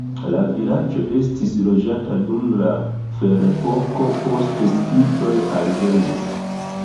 La vilaĝo estis loĝata dum la ferepoko, poste skitoj alvenis.